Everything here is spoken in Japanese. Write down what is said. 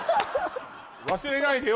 忘れないでよ